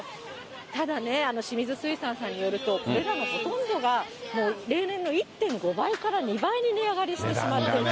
ただね、清水水産さんによると、これらのほとんどが例年の１．５倍から２倍に値上がりしてしまっていると。